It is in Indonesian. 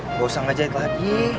nggak usah ngejahit lagi